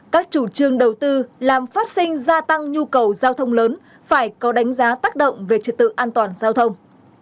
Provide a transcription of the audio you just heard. các chủ trương đầu tư làm phát sinh gia tăng nhu cầu giao thông lớn phải có đánh giá tác động về trật tự an toàn giao thông